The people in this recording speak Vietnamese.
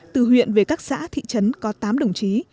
từ huyện về các xã thị trấn có tám đồng chí